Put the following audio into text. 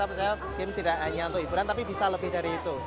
sebetulnya game tidak hanya untuk hiburan tapi bisa lebih dari itu